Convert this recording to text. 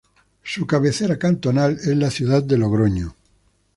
Su cabecera cantonal es la ciudad de Logroño.